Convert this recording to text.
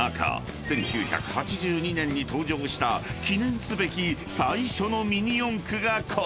１９８２年に登場した記念すべき最初のミニ四駆がこちら］